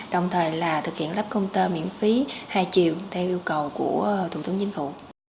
đồng thời là thực hiện lắp công tơ miễn phí hai triệu theo yêu cầu của thủ tướng chính phủ